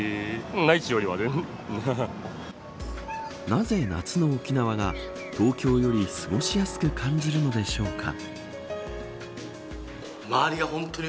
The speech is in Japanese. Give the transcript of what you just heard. なぜ夏の沖縄が東京より過ごしやすく感じるのでしょうか。